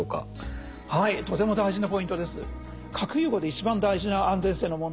とても大事なポイントです。